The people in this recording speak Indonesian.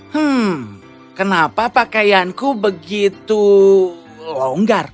hmm kenapa pakaianku begitu longgar